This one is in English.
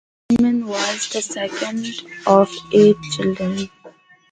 Hyman was the second of eight children.